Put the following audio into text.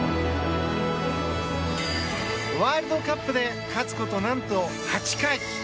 ワールドカップで勝つこと何と８回。